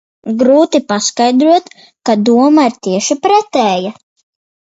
Grūti paskaidrot, ka doma ir tieši pretēja.